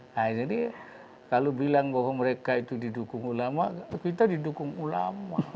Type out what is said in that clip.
nah jadi kalau bilang bahwa mereka itu didukung ulama kita didukung ulama